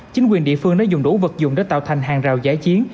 chính quyền địa phương đã dùng đủ vật dụng để tạo thành hàng rào giải chiến